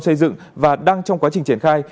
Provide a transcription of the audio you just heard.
xây dựng và đang trong quá trình triển khai